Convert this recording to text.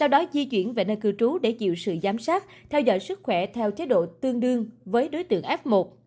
đó di chuyển về nơi cư trú để chịu sự giám sát theo dõi sức khỏe theo chế độ tương đương với đối tượng f một